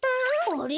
あれ？